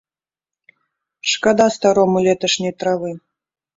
Шкада старому леташняй травы.